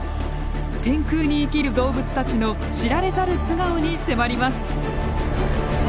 天空に生きる動物たちの知られざる素顔に迫ります。